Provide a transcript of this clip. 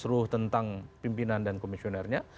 kemudian diwarnai dengan pilihan pimpinan dan komisionernya